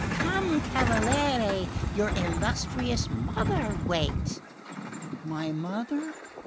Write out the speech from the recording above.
Come cavaliere, your illustrious mother waits." "My mother?"